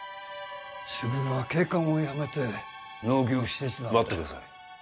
卓は警官を辞めて農業使節団待ってください